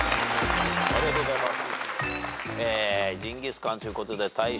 ありがとうございます。